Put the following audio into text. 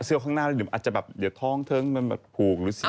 ซื้อข้างหน้าอาจจะแบบเดี๋ยวท้องเทิงมันแบบผูกหรือเสีย